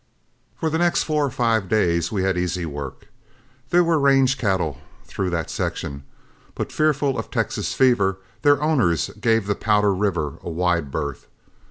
For the next four or five days we had easy work. There were range cattle through that section, but fearful of Texas fever, their owners gave the Powder River a wide berth.